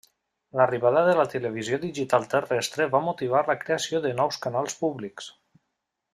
L'arribada de la televisió digital terrestre va motivar la creació de nous canals públics.